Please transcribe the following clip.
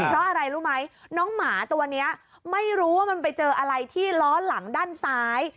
เพราะอะไรรู้ไหมน้องหมาตัวนี้ไม่รู้ว่ามันไปเจออะไรที่ล้อหลังด้านซ้าย